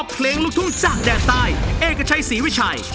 เพลงลูกทุ่งจากแดนใต้เอกชัยศรีวิชัย